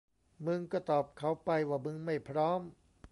มึงก็ตอบเขาไปว่ามึงไม่พร้อม